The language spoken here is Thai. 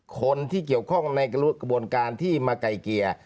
คนที่เกี่ยวข้องในกระบวนการที่มาไกลเกลี่ย